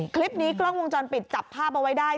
คลิปนี้กล้องวงจรปิดจับภาพเอาไว้ได้